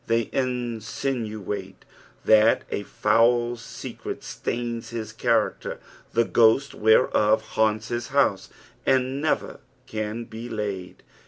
They insinuate that a foul secret stains his character, the gliost whereof liannts his house, and never can be laid.